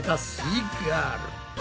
イガール。